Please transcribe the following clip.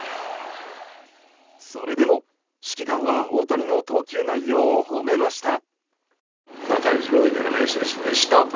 それでも指揮官は大谷の投球内容を褒めました。